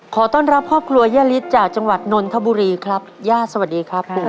ขอต้อนรับครอบครัวย่าฤทธิ์จากจังหวัดนนทบุรีครับย่าสวัสดีครับ